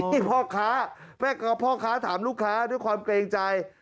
นี่พ่อค้าแม่ค้าพ่อค้าถามลูกค้าด้วยความเกรงใจ